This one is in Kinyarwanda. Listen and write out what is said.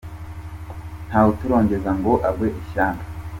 Nta wutorongeza ngo agwe ishyanga !